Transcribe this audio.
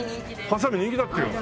ハサミ人気だってよ。